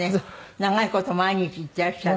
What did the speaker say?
長い事毎日行ってらっしゃる。